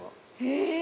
へえ。